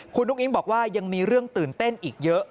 คุณอุ้งอิ๊งบอกว่ายังมีเรื่องตื่นเต้นอีกเยอะ